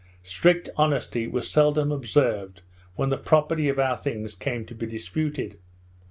Strict honesty was seldom observed when the property of our things came to be disputed.